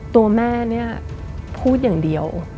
ตัวแม่พูดอย่างเดียว